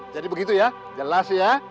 jadi begitu ya jelas ya